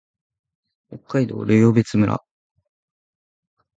北海道留夜別村